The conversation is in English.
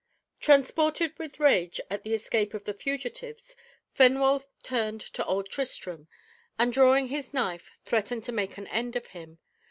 Transported with rage at the escape of the fugitives, Fenwolf turned to old Tristram, and drawing his knife, threatened to make an end of him.